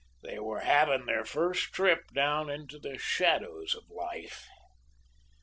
They were having their first trip down into the shadows of life.